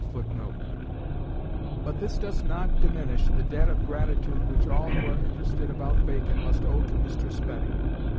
" But this does not diminish the debt of gratitude which all who are interested about Bacon must owe to Mr. Spedding.